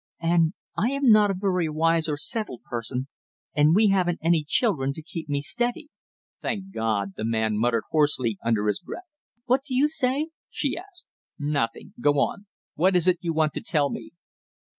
"And I am not a very wise or settled person and we haven't any children to keep me steady " "Thank God!" the man muttered hoarsely under his breath. "What do you say?" she asked. "Nothing go on; what is it you want to tell me?"